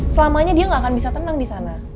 selamanya dia nggak akan bisa tenang di sana